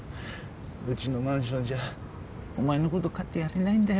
うちのマンションじゃお前の事飼ってやれないんだよ。